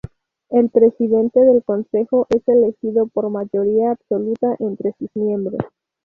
El Presidente del Consejo es elegido por mayoría absoluta entre sus miembros.